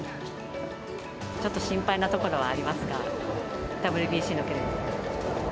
ちょっと心配なところはありますが、ＷＢＣですね。